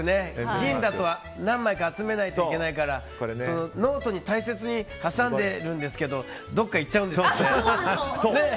銀だと何枚か集めないといけないからノートに大切に挟んでるんですけどどこかいっちゃうんですよね。